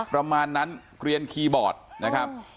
ประมาณนั้นเกลียนคีย์บอร์ดนะครับ